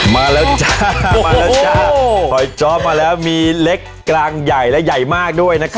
มาแล้วจ้ามาแล้วจ้าถอยจ๊อบมาแล้วมีเล็กกลางใหญ่และใหญ่มากด้วยนะคะ